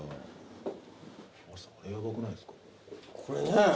これね。